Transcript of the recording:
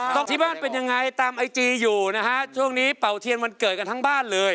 ที่บ้านเป็นยังไงตามไอจีอยู่นะฮะช่วงนี้เป่าเทียนวันเกิดกันทั้งบ้านเลย